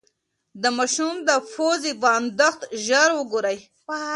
د ماشوم د پوزې بندښت ژر وګورئ.